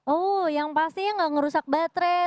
oh yang pastinya gak ngerusak baterai